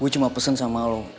gua cuma pesen sama lu